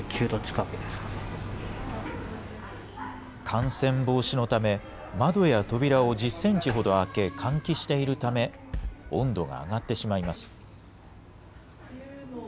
感染防止のため、窓や扉を１０センチほど開け、換気しているため、温度が上がってしまいます。